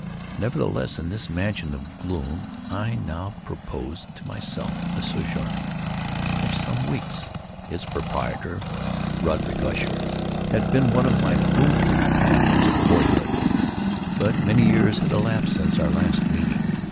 Nevertheless, in this mansion of gloom I now proposed to myself a sojourn of some weeks. Its proprietor, Roderick Usher, had been one of my boon companions in boyhood; but many years had elapsed since our last meeting.